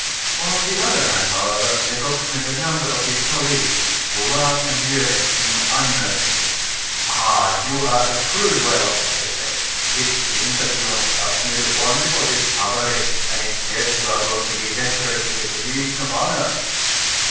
On the other hand, however, Lecoq met a number of his colleagues, who laughed and jeered at him unmercifully. "Ah! you are a shrewd fellow!" they said, "it seems that you have just made a wonderful discovery, and it's said you are going to be decorated with the Legion of Honor."